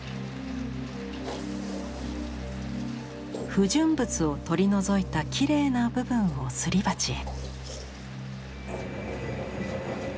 不純物を取り除いたきれいな部分をすり鉢へ。